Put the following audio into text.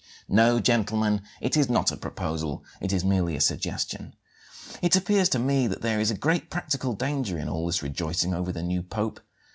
"No, gentlemen, it is not a proposal; it is merely a suggestion. It appears to me that there is a great practical danger in all this rejoicing over the new Pope.